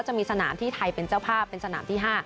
จะมีสนามที่ไทยเป็นเจ้าภาพเป็นสนามที่๕